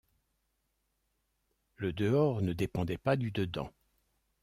Le dehors ne dépendait pas du dedans.